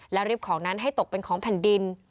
และริบของนั้นให้ตกเป็นของแผ่นดิน